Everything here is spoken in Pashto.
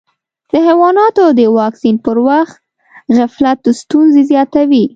د حیواناتو د واکسین پر وخت غفلت ستونزې زیاتوي.